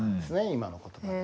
今の言葉で。